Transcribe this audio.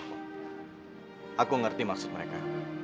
saya mengerti maksud mereka